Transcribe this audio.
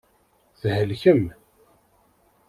Thelkem.